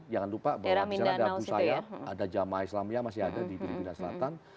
jangan lupa bahwa di sana ada abu sayyaf ada jamaah islamia masih ada di filipina selatan